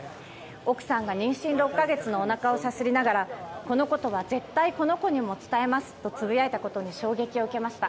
奥さんが妊娠６か月のおなかをさすりながらこのことは絶対この子にも伝えますとつぶやいたことに衝撃を受けました。